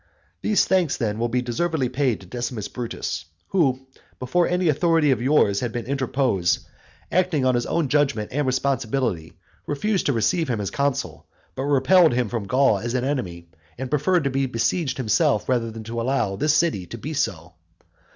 These thanks then will be deservedly paid to Decimus Brutus, who, before any authority of yours had been interposed, acting on his own judgment and responsibility, refused to receive him as consul, but repelled him from Gaul as an enemy, and preferred to be besieged himself rather than to allow this city to be so.